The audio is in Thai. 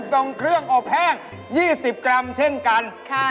ส่งเครื่องอบแห้ง๒๐กรัมเช่นกัน